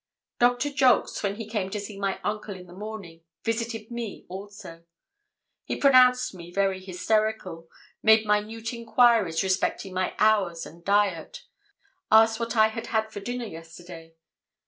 Doctor Jolks, when he came to see my uncle in the morning, visited me also. He pronounced me very hysterical, made minute enquiries respecting my hours and diet, asked what I had had for dinner yesterday.